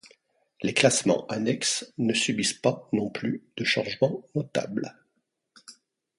Les classements annexes ne subissent pas non plus de changement notable.